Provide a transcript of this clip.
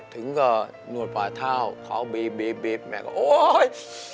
ถึงก็นวดปลาเท้าเขาเบ๊บแม่ก็โอ๊ย